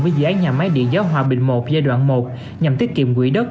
với dự án nhà máy điện gió hòa bình một giai đoạn một nhằm tiết kiệm quỹ đất